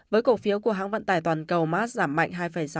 với cổ phiếu của hãng vận tài toàn cầu mars giảm mạnh hai sáu